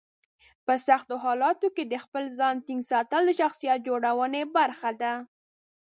په سختو حالاتو کې د خپل ځان ټینګ ساتل د شخصیت جوړونې برخه ده.